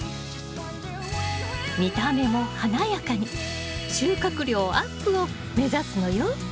見た目も華やかに収穫量アップを目指すのよ。